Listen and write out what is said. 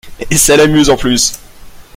Et ça l’amuse, en plus !